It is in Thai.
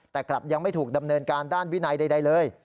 แต่กลับยังไม่ถูกดำเนินการด้านวินัยใดเลย